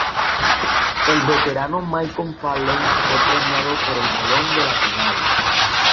El veterano Michael Finley fue premiado con el balón de la Final.